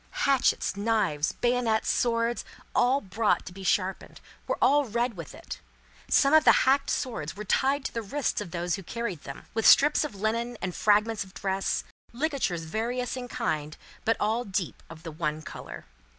Hatchets, knives, bayonets, swords, all brought to be sharpened, were all red with it. Some of the hacked swords were tied to the wrists of those who carried them, with strips of linen and fragments of dress: ligatures various in kind, but all deep of the one colour.